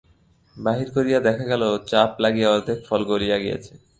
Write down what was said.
বাহির করিয়া দেখা গেল চাপ লাগিয়া অর্ধেক ফল গলিয়া গিয়াছে।